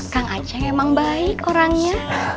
kang aceh emang baik orangnya